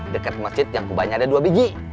dekat masjid yang kubahnya ada dua biji